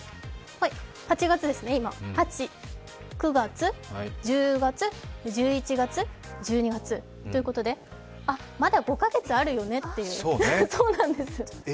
今８月、９月、１０月、１１月、１２月ということであっ、まだ５か月あるよねということです。